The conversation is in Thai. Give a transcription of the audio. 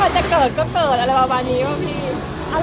จะเกิดก็เกิดอะไรประมาณนี้ป่ะพี่